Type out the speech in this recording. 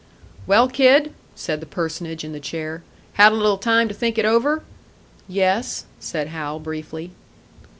"Well, kid?" said the personage in the chair. "Had a little time to think it over?" "Yes," said Hal, briefly.